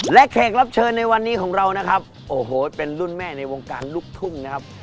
และแขกรับเชิญในวันนี้ของเรานะครับโอ้โหเป็นรุ่นแม่ในวงการลูกทุ่งนะครับ